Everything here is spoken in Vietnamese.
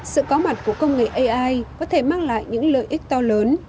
sự có mặt của công nghệ ai có thể mang lại những lợi ích to lớn